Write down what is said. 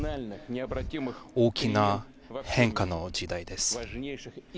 大きな変化の時代です。